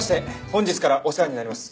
本日からお世話になります